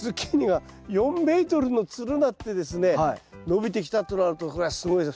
伸びてきたとなるとこれはすごいです。